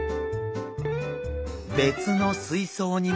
別の水槽にも。